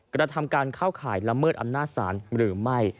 กระทำการเข้าข่ายละเมิดอำนาจศาลหรือไม่